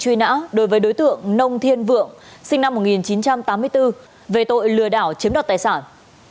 truy nã đối với đối tượng nông thiên vượng sinh năm một nghìn chín trăm tám mươi bốn về tội lừa đảo chiếm đoạt tài sản